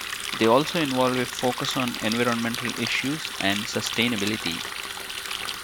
They also involve a focus on environmental issues and sustainability.